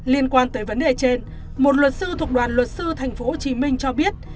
liên quan tới vấn đề trên một luật sư thuộc đoàn luật sư tp hcm cho biết